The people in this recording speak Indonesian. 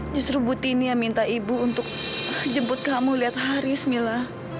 justru bu tini yang minta ibu untuk jemput kamu lihat haris milla